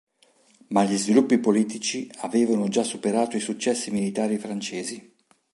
Ma gli sviluppi politici avevano già superato i successi militari francesi.